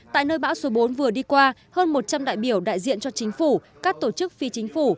tại nơi bão số bốn vừa đi qua hơn một trăm linh đại biểu đại diện cho chính phủ các tổ chức phi chính phủ